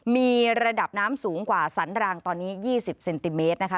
มีระดับน้ำสูงกว่าสันรางตอนนี้๒๐เซนติเมตรนะคะ